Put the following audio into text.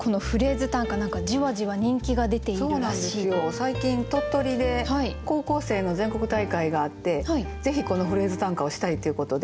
最近鳥取で高校生の全国大会があってぜひこの「フレーズ短歌」をしたいということで。